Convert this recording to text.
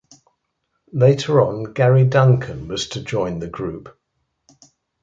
Later on Gary Duncan was to join the group.